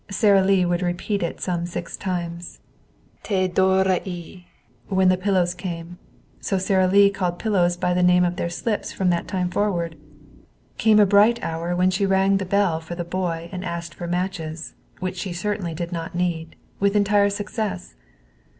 Sara Lee would repeat it some six times. "Taies d'oreiller," when the pillows came. So Sara Lee called pillows by the name of their slips from that time forward! Came a bright hour when she rang the bell for the boy and asked for matches, which she certainly did not need, with entire success.